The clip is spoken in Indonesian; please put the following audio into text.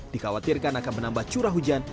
dikhawatirkan akan menambah curah hujan